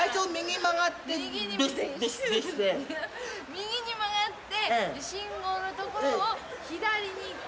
右に曲がって信号の所を左に行って。